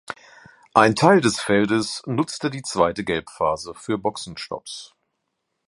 Ein Teil des Feldes nutzte die zweite Gelbphase für Boxenstopps.